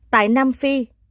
tại nam phi